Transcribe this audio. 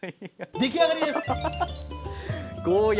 出来上がりです！